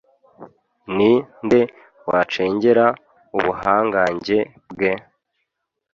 ni nde wacengera ubuhangange bwe